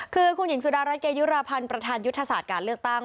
คือคุณหญิงสุดารัฐเกยุราพันธ์ประธานยุทธศาสตร์การเลือกตั้ง